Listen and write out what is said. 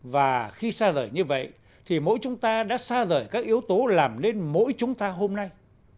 và khi xa rời như vậy thì mỗi chúng ta đã xa rời các yếu tố làm nên mỗi chúng ta hôm nay